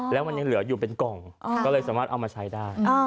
แล้วมันยังเหลืออยู่เป็นกล่องก็เลยสามารถเอามาใช้ได้